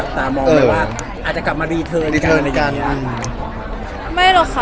ดูแต่ว่ามีสองฝ่ายเลย